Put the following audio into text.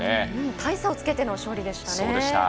大差をつけての勝利でしたね。